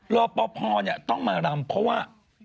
รอปภเนี่ยต้องมาลำเพราะว่า